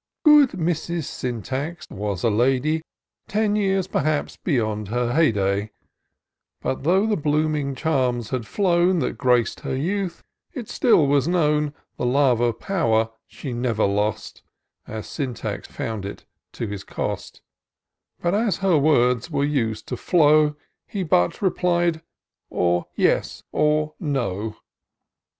Good Mrs. Syntax was a lady, Ten years, perhaps, beyond her hey day ; But though the blooming charms had flown, That grac'd her youth, it still was known TOUR OF DOCTOR SYNTAX The love of power she never loi^t, As Syntax found it to his cost ; For as hey words were used to flow, He but replied or yes or no.